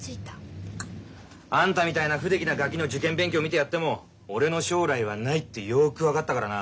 あんたみたいな不出来なガキの受験勉強見てやっても俺の将来はないってよく分かったからな。